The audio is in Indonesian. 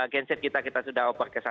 genset kita kita sudah oper